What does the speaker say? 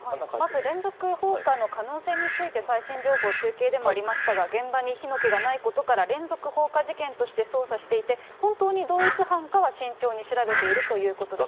まず連続放火の可能性について最新情報を中継でもありましたが、現場に火の気がないことから、連続放火事件として捜査していて、本当に同一犯かは慎重に調べているということですね。